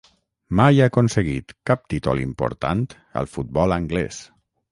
Mai ha aconseguit cap títol important al futbol anglès.